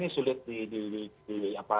sulit ya gelombang ketiga ini sulit